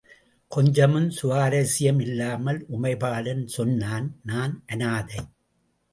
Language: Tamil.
கொஞ்சமும் சுவாரஸ்யம் இல்லாமல், உமைபாலன் சொன்னான் நான் அனாதை.